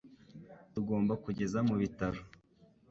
Tugomba kugeza mu bitaro.